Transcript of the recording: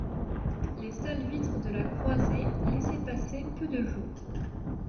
Les sales vitres de la croisée laissaient passer peu de jour.